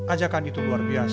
ajakan itu luar biasa